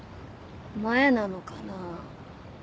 前なのかな。